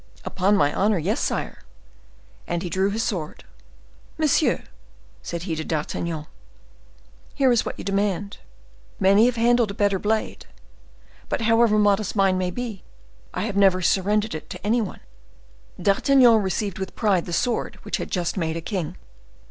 "Upon my honor, yes, sire," and he drew his sword. "Monsieur," said he to D'Artagnan, "here is what you demand. Many have handled a better blade; but however modest mine may be, I have never surrendered it to any one." D'Artagnan received with pride the sword which had just made a king.